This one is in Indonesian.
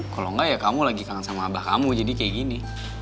kalo engga ya kamu lagi kangen sama abah kamu jadi kaya gini